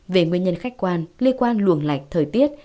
về nguyên nhân khách quan liên quan luồng lạch thời tiết